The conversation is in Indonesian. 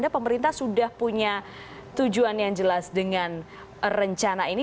pemerintah sudah punya tujuan yang jelas dengan rencana ini